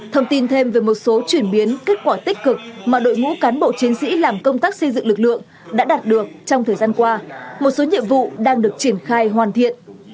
thông tin thêm về một số chuyển biến kết quả tích cực mà đội ngũ cán bộ chiến sĩ làm công tác xây dựng lực lượng đã đạt được trong thời gian qua một số nhiệm vụ đang được triển khai hoàn thiện